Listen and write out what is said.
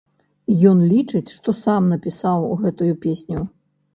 Ён лічыць, што сам напісаў гэтую песню.